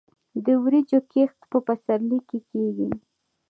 د وریجو کښت په پسرلي کې کیږي.